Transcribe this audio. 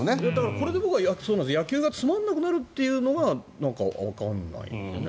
これで野球がつまらなくなるというのがわかんないんですよね。